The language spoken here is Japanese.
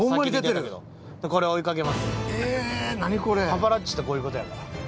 パパラッチってこういう事やから。